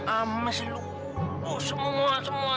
ames lulus semua semua